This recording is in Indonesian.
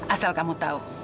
asal kamu tau